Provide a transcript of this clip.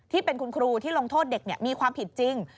ที่เป็นคุณครูที่ลงโทษเด็กมีความผิดจริง